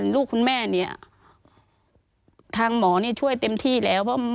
ลูกคุณแม่เนี่ยทางหมอนี่ช่วยเต็มที่แล้ว